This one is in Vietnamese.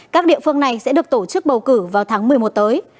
các địa phương này sẽ được tổ chức bầu cử vào tháng một mươi một tới